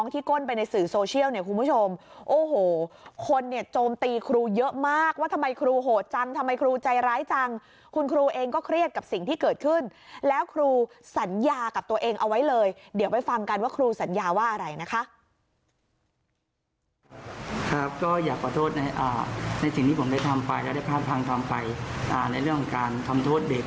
ทำไมครูใจร้ายจังคุณครูเองก็เครียดกับสิ่งที่เกิดขึ้นแล้วครูสัญญากับตัวเองเอาไว้เลยเดี๋ยวไปฟังกันว่าครูสัญญาว่าอะไรนะคะ